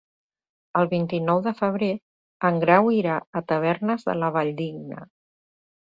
El vint-i-nou de febrer en Grau irà a Tavernes de la Valldigna.